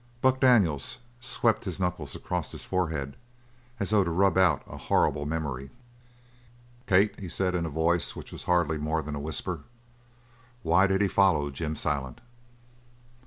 Buck Daniels swept his knuckles across his forehead, as though to rub out a horrible memory. "Kate," he said in a voice which was hardly more than a whisper, "why did he follow Jim Silent?"